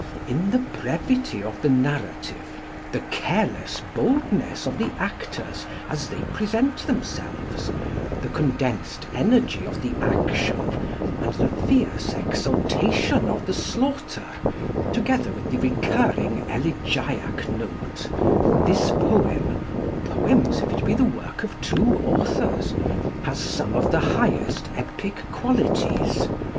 "In the brevity of the narrative, the careless boldness of the actors as they present themselves, the condensed energy of the action, and the fierce exultation of the slaughter, together with the recurring elegiac note, this poem (or poems if it be the work of two authors) has some of the highest epic qualities.